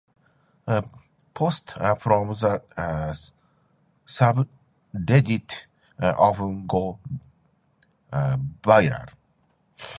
Posts from the subreddit often go viral.